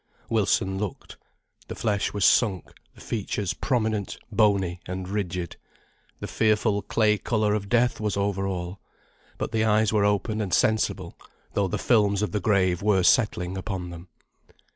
Wilson looked. The flesh was sunk, the features prominent, bony, and rigid. The fearful clay colour of death was over all. But the eyes were open and sensible, though the films of the grave were settling upon them.